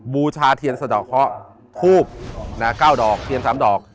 บูชาเทียนสะดอกข้อภูบหน้าเก้าดอกเทียนสามดอก